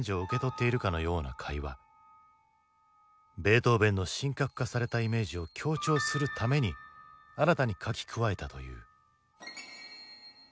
トーヴェンの神格化されたイメージを強調するために新たに書き加えたという。